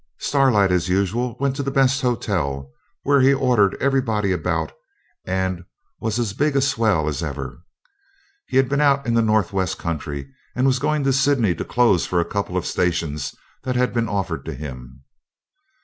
Starlight, as usual, went to the best hotel, where he ordered everybody about and was as big a swell as ever. He had been out in the north west country, and was going to Sydney to close for a couple of stations that had been offered to him.